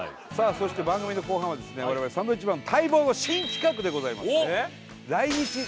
そして番組の後半はですね我々サンドウィッチマン待望の新企画でございます。